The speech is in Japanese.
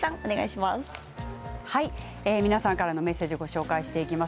皆さんからのメッセージをご紹介します。